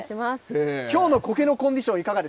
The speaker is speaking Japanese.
きょうのコケのコンディショ